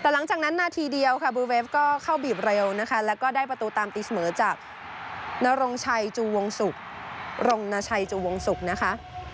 แต่หลังจากนั้นนาทีเดียวค่ะบูเวฟก็เข้าบีบเร็วนะคะแล้วก็ได้ประตูตามตีเสมอจากนรงชัยจูวงศุกร์รงนาชัยจูวงศุกร์นะคะ